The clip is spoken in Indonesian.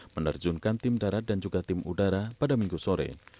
menerjunkan tim darat dan juga tim udara pada minggu sore